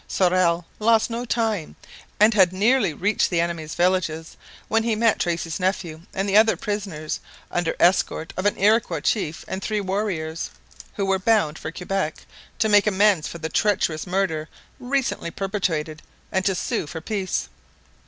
Sorel lost no time and had nearly reached the enemy's villages when he met Tracy's nephew and the other prisoners under escort of an Iroquois chief and three warriors, who were bound for Quebec to make amends for the treacherous murder recently perpetrated and to sue for peace.